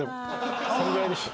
これぐらいでした。